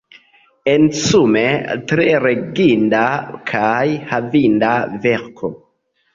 Ensume, tre leginda kaj havinda verko.